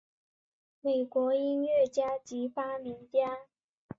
美国音乐家及发明家。